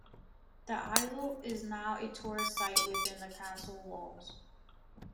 The islet is now a tourist site within the castle walls.